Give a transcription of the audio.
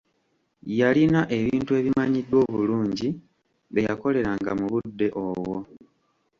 Yalina ebintu ebimanyiddwa obulungi bye yakoleranga mu budde obwo.